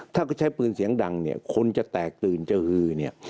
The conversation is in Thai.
ถ้าเขาใช้ปืนเสียงดังเนี่ยคนจะแตกตื่นจะอือเนี่ย